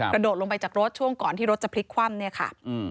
โดดลงไปจากรถช่วงก่อนที่รถจะพลิกคว่ำเนี่ยค่ะ